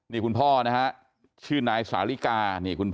นี่คุณพ่อนะฮะชื่อนายสาลิกา